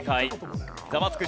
ザワつく！